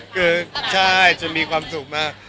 คือใช่จะมีความสุขมาก